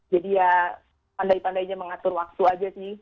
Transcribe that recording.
jadi ya pandai pandainya mengatur waktu aja sih